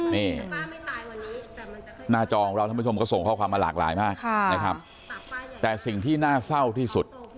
นี่หน้าจอของเราท่านผู้ชมก็ส่งข้อความมาหลากหลายมากนะครับแต่สิ่งที่น่าเศร้าที่สุด